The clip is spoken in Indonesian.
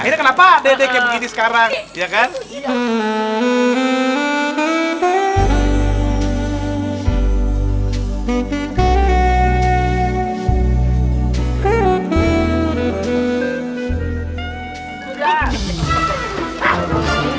akhirnya kenapa ada deh kayak begini sekarang ya kan